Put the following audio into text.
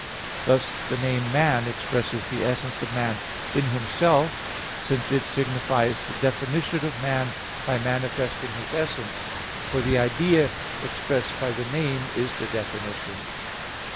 Thus the name "man" expresses the essence of man in himself, since it signifies the definition of man by manifesting his essence; for the idea expressed by the name is the definition.